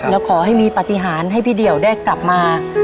แล้วขอให้มีปฏิหารให้พี่เดี่ยวได้กลับมา